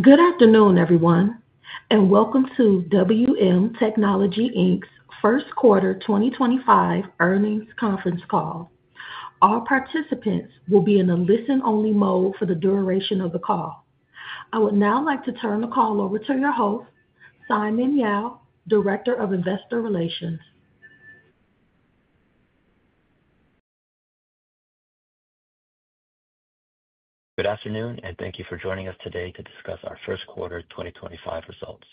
Good afternoon, everyone, and welcome to WM Technology's First Quarter 2025 Earnings Conference Call. All participants will be in a listen-only mode for the duration of the call. I would now like to turn the call over to your host, Simon Yao, Director of Investor Relations. Good afternoon, and thank you for joining us today to discuss our First Quarter 2025 results.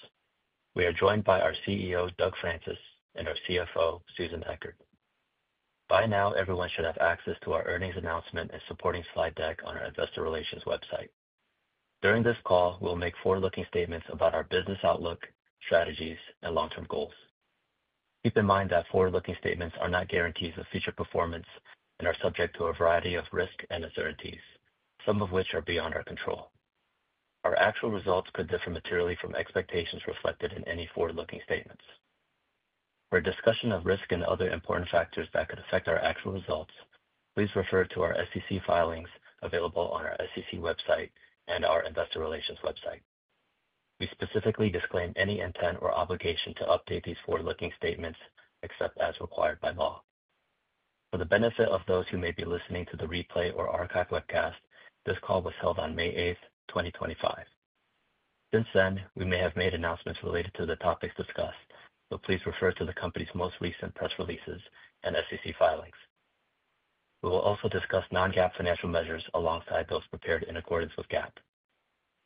We are joined by our CEO, Doug Francis, and our CFO, Susan Echard. By now, everyone should have access to our earnings announcement and supporting slide deck on our Investor Relations website. During this call, we'll make forward-looking statements about our business outlook, strategies, and long-term goals. Keep in mind that forward-looking statements are not guarantees of future performance and are subject to a variety of risks and uncertainties, some of which are beyond our control. Our actual results could differ materially from expectations reflected in any forward-looking statements. For a discussion of risk and other important factors that could affect our actual results, please refer to our SEC filings available on our SEC website and our Investor Relations website. We specifically disclaim any intent or obligation to update these forward-looking statements except as required by law. For the benefit of those who may be listening to the replay or archive webcast, this call was held on May 8th, 2025. Since then, we may have made announcements related to the topics discussed, but please refer to the company's most recent press releases and SEC filings. We will also discuss non-GAAP financial measures alongside those prepared in accordance with GAAP.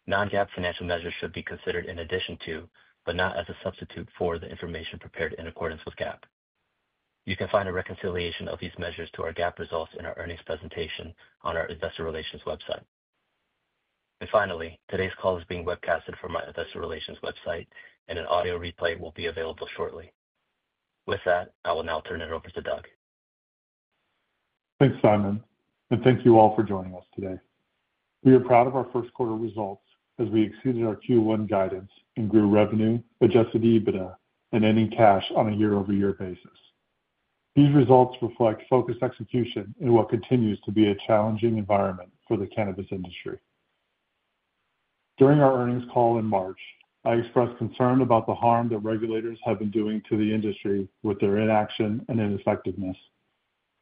Non-GAAP financial measures should be considered in addition to, but not as a substitute for, the information prepared in accordance with GAAP. You can find a reconciliation of these measures to our GAAP results in our earnings presentation on our Investor Relations website. Finally, today's call is being webcast from our Investor Relations website, and an audio replay will be available shortly. With that, I will now turn it over to Doug. Thanks, Simon, and thank you all for joining us today. We are proud of our first quarter results as we exceeded our Q1 guidance and grew revenue, adjusted EBITDA, and any cash on a year-over-year basis. These results reflect focused execution in what continues to be a challenging environment for the cannabis industry. During our earnings call in March, I expressed concern about the harm that regulators have been doing to the industry with their inaction and ineffectiveness.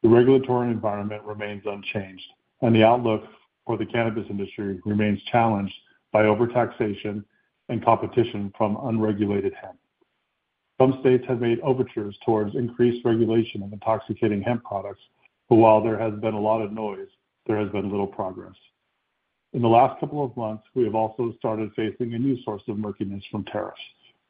The regulatory environment remains unchanged, and the outlook for the cannabis industry remains challenged by overtaxation and competition from unregulated hemp. Some states have made overtures towards increased regulation of intoxicating hemp products, but while there has been a lot of noise, there has been little progress. In the last couple of months, we have also started facing a new source of murkiness from tariffs,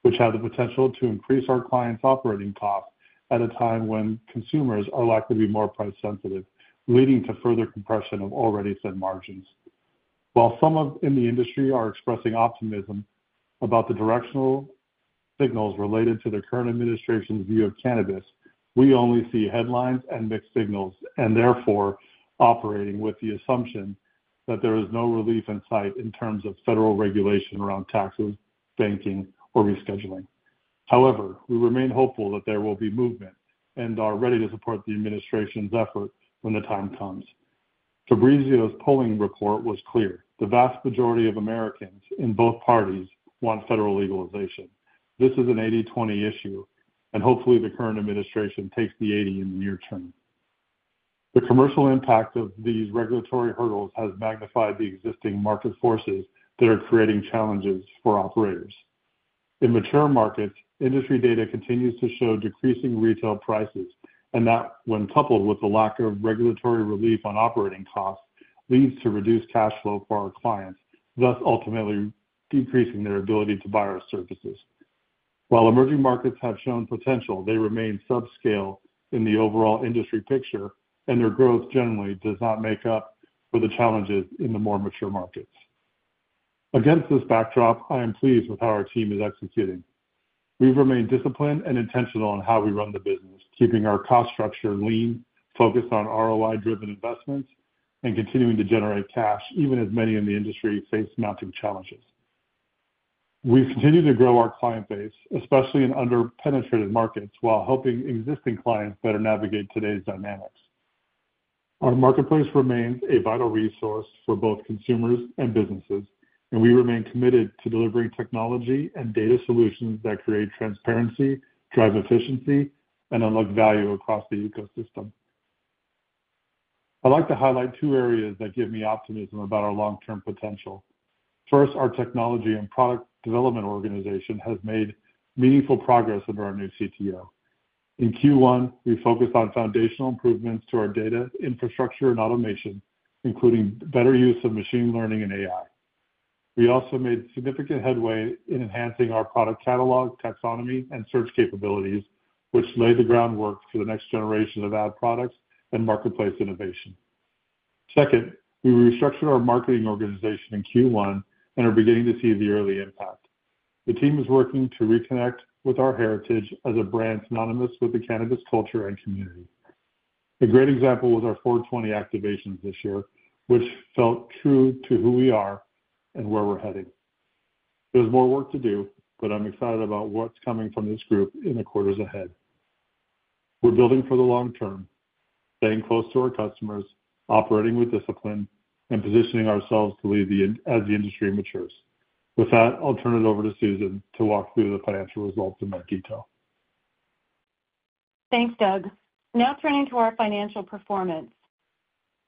which have the potential to increase our clients' operating costs at a time when consumers are likely to be more price-sensitive, leading to further compression of already set margins. While some in the industry are expressing optimism about the directional signals related to the current administration's view of cannabis, we only see headlines and mixed signals, and therefore operating with the assumption that there is no relief in sight in terms of federal regulation around taxes, banking, or rescheduling. However, we remain hopeful that there will be movement and are ready to support the administration's effort when the time comes. Fabrizio's polling report was clear. The vast majority of Americans in both parties want federal legalization. This is an 80/20 issue, and hopefully the current administration takes the 80 in the near term. The commercial impact of these regulatory hurdles has magnified the existing market forces that are creating challenges for operators. In mature markets, industry data continues to show decreasing retail prices, and that when coupled with the lack of regulatory relief on operating costs leads to reduced cash flow for our clients, thus ultimately decreasing their ability to buy our services. While emerging markets have shown potential, they remain subscale in the overall industry picture, and their growth generally does not make up for the challenges in the more mature markets. Against this backdrop, I am pleased with how our team is executing. We've remained disciplined and intentional on how we run the business, keeping our cost structure lean, focused on ROI-driven investments, and continuing to generate cash even as many in the industry face mounting challenges. We've continued to grow our client base, especially in under-penetrated markets, while helping existing clients better navigate today's dynamics. Our marketplace remains a vital resource for both consumers and businesses, and we remain committed to delivering technology and data solutions that create transparency, drive efficiency, and unlock value across the ecosystem. I'd like to highlight two areas that give me optimism about our long-term potential. First, our technology and product development organization has made meaningful progress under our new CTO. In Q1, we focused on foundational improvements to our data, infrastructure, and automation, including better use of machine learning and AI. We also made significant headway in enhancing our product catalog, taxonomy, and search capabilities, which laid the groundwork for the next generation of ad products and marketplace innovation. Second, we restructured our marketing organization in Q1 and are beginning to see the early impact. The team is working to reconnect with our heritage as a brand synonymous with the cannabis culture and community. A great example was our 420 activations this year, which felt true to who we are and where we're heading. There's more work to do, but I'm excited about what's coming from this group in the quarters ahead. We're building for the long term, staying close to our customers, operating with discipline, and positioning ourselves to lead as the industry matures. With that, I'll turn it over to Susan to walk through the financial results in more detail. Thanks, Doug. Now turning to our financial performance.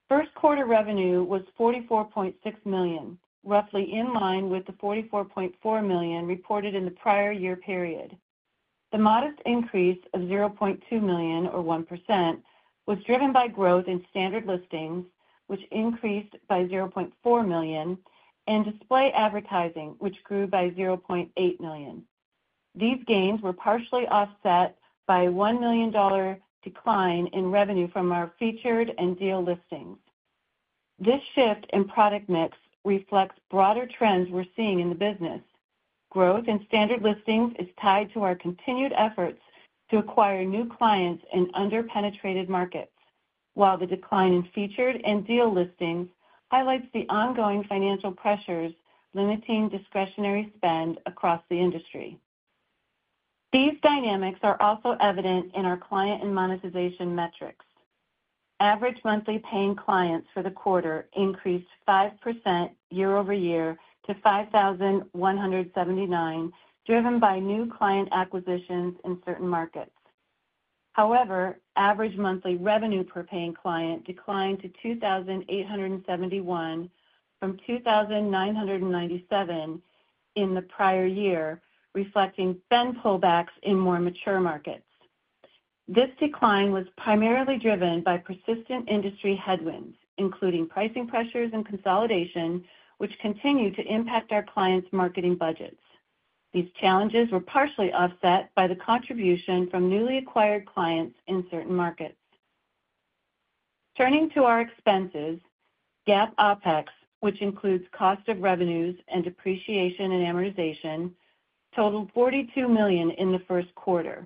First quarter revenue was $44.6 million, roughly in line with the $44.4 million reported in the prior year period. The modest increase of $0.2 million, or 1%, was driven by growth in standard listings, which increased by $0.4 million, and display advertising, which grew by $0.8 million. These gains were partially offset by a $1 million decline in revenue from our featured and deal listings. This shift in product mix reflects broader trends we're seeing in the business. Growth in standard listings is tied to our continued efforts to acquire new clients in under-penetrated markets, while the decline in featured and deal listings highlights the ongoing financial pressures limiting discretionary spend across the industry. These dynamics are also evident in our client and monetization metrics. Average monthly paying clients for the quarter increased 5% year-over-year to 5,179, driven by new client acquisitions in certain markets. However, average monthly revenue per paying client declined to $2,871 from $2,997 in the prior year, reflecting then pullbacks in more mature markets. This decline was primarily driven by persistent industry headwinds, including pricing pressures and consolidation, which continue to impact our clients' marketing budgets. These challenges were partially offset by the contribution from newly acquired clients in certain markets. Turning to our expenses, GAAP OpEx, which includes cost of revenues and depreciation and amortization, totaled $42 million in the first quarter.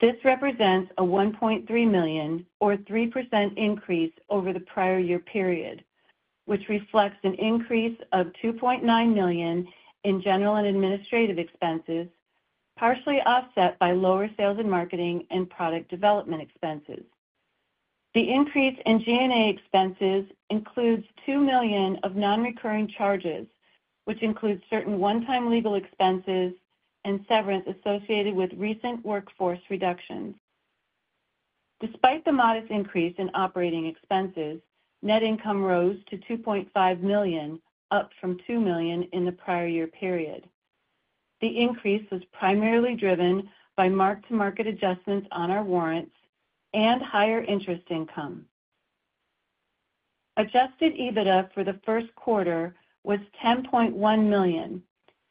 This represents a $1.3 million, or 3% increase over the prior year period, which reflects an increase of $2.9 million in general and administrative expenses, partially offset by lower sales and marketing and product development expenses. The increase in G&A expenses includes $2 million of non-recurring charges, which includes certain one-time legal expenses and severance associated with recent workforce reductions. Despite the modest increase in operating expenses, net income rose to $2.5 million, up from $2 million in the prior year period. The increase was primarily driven by mark-to-market adjustments on our warrants and higher interest income. Adjusted EBITDA for the first quarter was $10.1 million,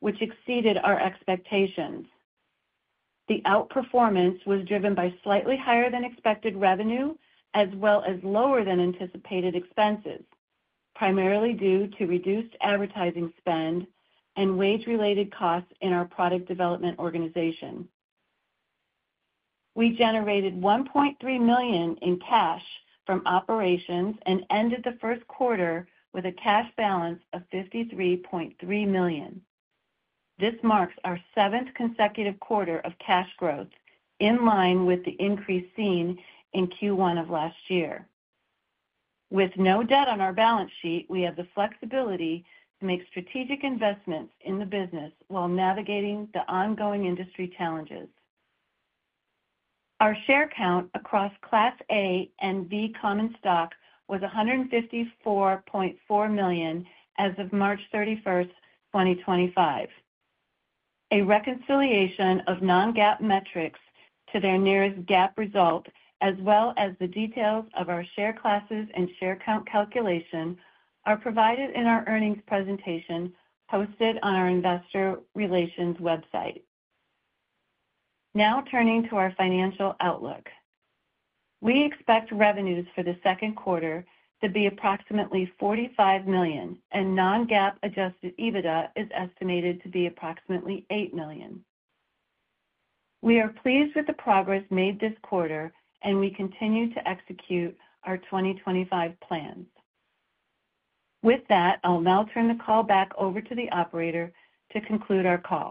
which exceeded our expectations. The outperformance was driven by slightly higher-than-expected revenue, as well as lower-than-anticipated expenses, primarily due to reduced advertising spend and wage-related costs in our product development organization. We generated $1.3 million in cash from operations and ended the first quarter with a cash balance of $53.3 million. This marks our seventh consecutive quarter of cash growth, in line with the increase seen in Q1 of last year. With no debt on our balance sheet, we have the flexibility to make strategic investments in the business while navigating the ongoing industry challenges. Our share count across Class A and B Common Stock was $154.4 million as of March 31, 2025. A reconciliation of non-GAAP metrics to their nearest GAAP result, as well as the details of our share classes and share count calculation, are provided in our earnings presentation posted on our Investor Relations website. Now turning to our financial outlook. We expect revenues for the second quarter to be approximately $45 million, and non-GAAP adjusted EBITDA is estimated to be approximately $8 million. We are pleased with the progress made this quarter, and we continue to execute our 2025 plans. With that, I'll now turn the call back over to the operator to conclude our call.